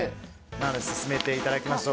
なので、進めていただきましょう。